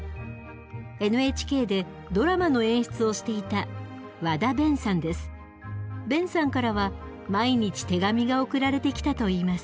ＮＨＫでドラマの演出をしていた勉さんからは毎日手紙が送られてきたといいます。